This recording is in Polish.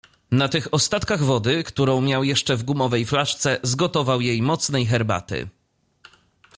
Na tych ostatkach wody, którą miał jeszcze w gumowej flaszce, zgotował jej mocnej herbaty.